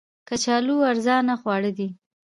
کچالو ارزانه خواړه دي